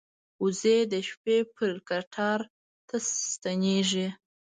وزې د شپې پر کټار ته ستنېږي